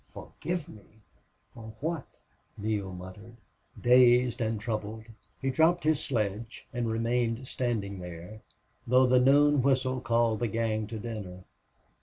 "Forgive me! For what?" Neale muttered, dazed and troubled. He dropped his sledge and remained standing there, though the noon whistle called the gang to dinner.